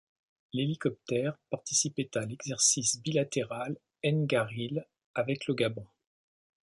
L'hélicoptère participait à l'exercice bilatéral N'GariLe avec le Gabon.